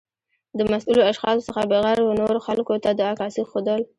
د مسؤلو اشخاصو څخه بغیر و نورو خلګو ته د عکاسۍ ښودل